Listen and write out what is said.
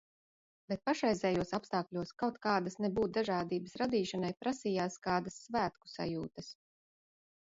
Bet pašreizējos apstākļos kaut kādas nebūt dažādības radīšanai prasījās kādas svētku sajūtas.